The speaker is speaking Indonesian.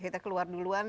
kita keluar duluan